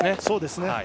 そうですね。